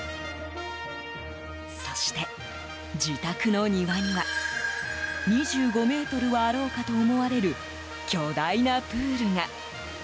そして、自宅の庭には２５ｍはあろうかと思われる巨大なプールが。